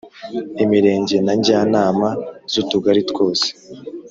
Imirenge na njyanama z’utugari twose.